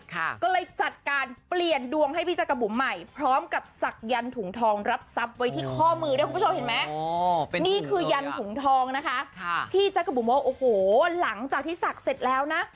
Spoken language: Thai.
ก็เลยจัดการเปลี่ยนดวงให้พี่จักรบุ๋มใหม่พร้อมกับศักดิ์ยันถุงทองรับทรัพย์ไว้ที่ข้อมือได้คุณผู้ชมเห็นไหม